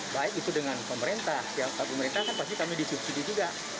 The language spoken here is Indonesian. baik itu dengan pemerintah ya pak pemerintah kan pasti kami disuksidi juga